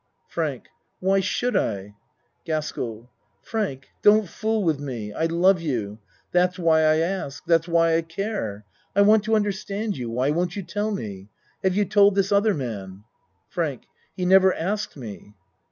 FRANK Why should I? GASKELL Frank, don't fool with me. I love you. That's why I ask. That's why I care. I want to understand you. Why won't you tell me? Have you told this other man? FRANK He never asked me.